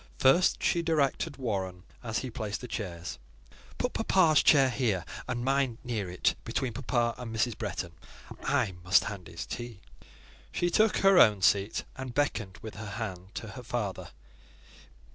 First she directed Warren, as he placed the chairs. "Put papa's chair here, and mine near it, between papa and Mrs. Bretton: I must hand his tea." She took her own seat, and beckoned with her hand to her father.